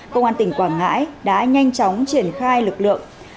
công an tỉnh quảng ngãi đã nhanh chóng triển khai lực lượng